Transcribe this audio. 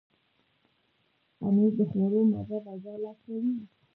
پنېر د خواړو مزه بدله کوي.